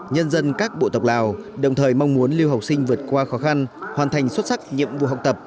nhân dân các bộ tộc lào đồng thời mong muốn lưu học sinh vượt qua khó khăn hoàn thành xuất sắc nhiệm vụ học tập